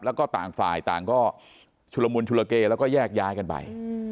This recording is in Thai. แล้วก็ต่างฝ่ายต่างก็ชุลมุนชุลเกแล้วก็แยกย้ายกันไป